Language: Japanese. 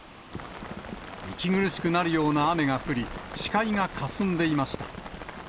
息苦しくなるような雨が降り、視界がかすんでいました。